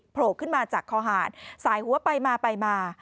โผล่ขึ้นมาจากคอหารสายหัวไปมาไปมา